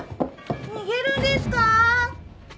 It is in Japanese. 逃げるんですか？